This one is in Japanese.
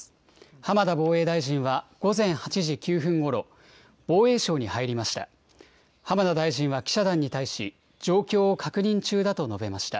浜田防衛大臣は午前８時９分ごろ、防衛省に入りました。